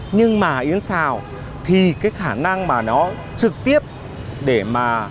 nhưng mà yến xào thì cái khả năng mà nó trực tiếp để mà